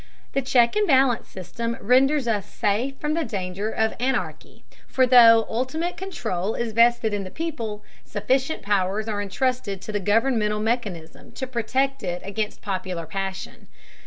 The check and balance system renders us safe from the danger of anarchy, for though ultimate control is vested in the people, sufficient powers are entrusted to the governmental mechanism to protect it against popular passion.